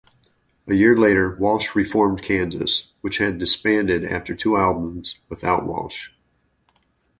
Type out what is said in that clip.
A year later, Walsh reformed Kansas, which had disbanded after two albums without Walsh.